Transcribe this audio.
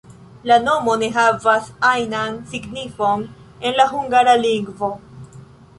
La nomo ne havas ajnan signifon en la hungara lingvo.